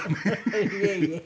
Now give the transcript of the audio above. いえいえ。